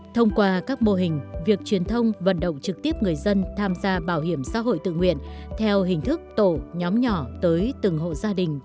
thông qua các mô hình việc truyền thông vận động trực tiếp người dân tham gia bảo hiểm xã hội tự nguyện theo hình thức tổ nhóm nhỏ tới tổ dân